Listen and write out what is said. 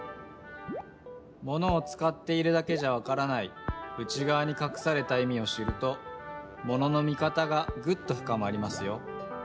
ものをつかっているだけじゃわからない内がわにかくされたいみを知るとものの見方がぐっとふかまりますよ。